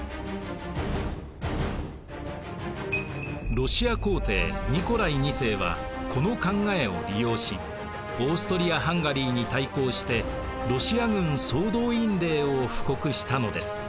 ロシア皇帝ニコライ２世はこの考えを利用しオーストリア・ハンガリーに対抗してロシア軍総動員令を布告したのです。